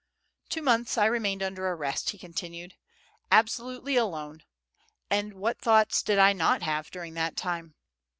"Two months I remained under arrest," he continued, "absolutely alone; and what thoughts did I not have during that time?